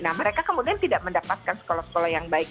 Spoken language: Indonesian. nah mereka kemudian tidak mendapatkan sekolah sekolah yang baik